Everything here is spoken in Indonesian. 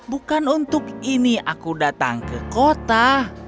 bukan untuk ini aku datang ke kota